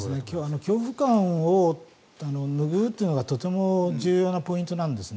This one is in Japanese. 恐怖感を拭うというのがとても重要なポイントなんです。